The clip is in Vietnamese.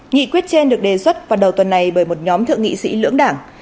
nghị quyết trên được đề xuất vào đầu tuần này bởi một nhóm thượng nghị sĩ lưỡng đảng